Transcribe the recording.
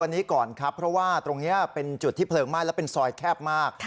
วันนี้ก่อนครับเพราะว่าตรงนี้เป็นจุดที่เพลิงไหม้และเป็นซอยแคบมาก